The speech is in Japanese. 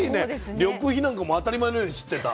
緑肥なんかも当たり前のように知ってた？